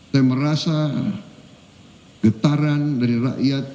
saya merasa getaran dari rakyat